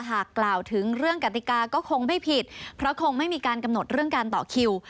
กล่าวถึงเรื่องกติกาก็คงไม่ผิดเพราะคงไม่มีการกำหนดเรื่องการต่อคิว